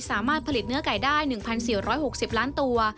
สามารถผลิตเนื้อไก่ได้๑๔๖๐ล้านตัว